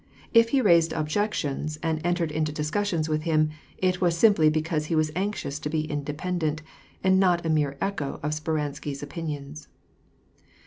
If he raised objec tions, and entered into discussions with him, it was simply be cause he was anxious to be independent, and not a mere echo of Speransky 's opinions.